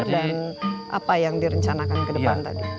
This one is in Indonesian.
dan apa yang direncanakan ke depan tadi